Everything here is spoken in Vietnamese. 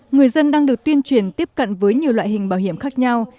người dân đang được tuyên truyền tiếp cận với nhiều loại hình bảo hiểm khác nhau